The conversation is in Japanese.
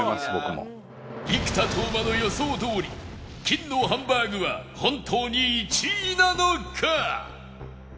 生田斗真の予想どおり金のハンバーグは本当に１位なのか